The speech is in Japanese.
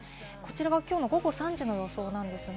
きょうの午後３時の予想です。